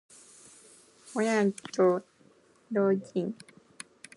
幼子と老人。